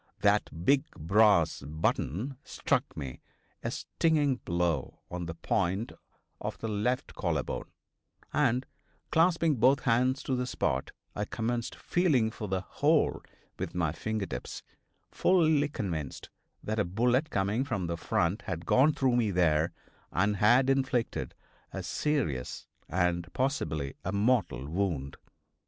That big brass button struck me a stinging blow on the point of the left collar bone, and, clasping both hands to the spot, I commenced feeling for the hole with my finger tips, fully convinced that a bullet coming from the front had gone through me there and had inflicted a serious and possibly a mortal wound.